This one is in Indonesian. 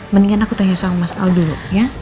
mendingan aku tanya sama mas aldo dulu ya